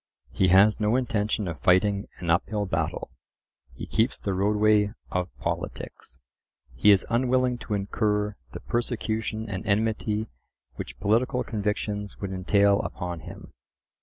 He has no intention of fighting an uphill battle; he keeps the roadway of politics. He is unwilling to incur the persecution and enmity which political convictions would entail upon him.